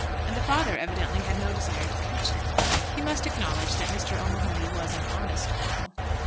And the father evidently had no desire to catch him. He must acknowledge that Mr. O'Mahony was an honest fool.